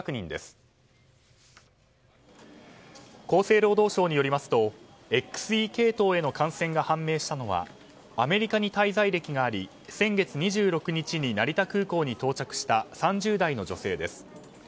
厚生労働省によりますとＸＥ系統の感染が確認されたのはアメリカに滞在歴があり先月２６日に成田空港に到着した３０代の女性です。